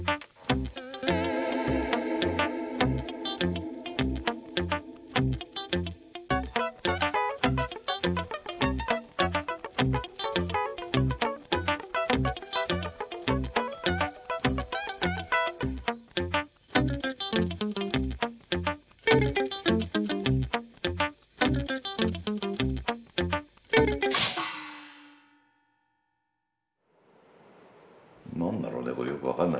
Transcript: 何だろうねこれよく分かんないな。